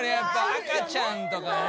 赤ちゃんとかね。